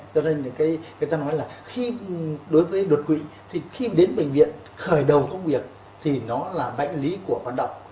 cho nên người ta nói là khi đối với đột quỵ thì khi đến bệnh viện khởi đầu công việc thì nó là bệnh lý của vận động